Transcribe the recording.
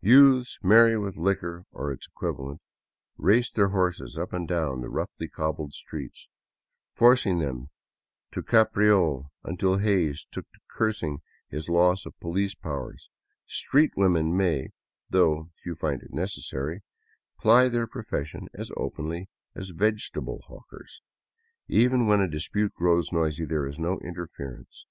Youths merry with liquor or its equivalent raced their horses up and down the roughly cobbled streets, forcing them to capriole until Hays took to cursing his loss of police powers ; street women may, — though few find it necessary — ply their profession as openly as vegetable hawkers. Even when a dispute grows noisy, there is no interference.